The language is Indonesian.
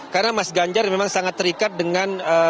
karena mas ganjar memang sangat terikat dengan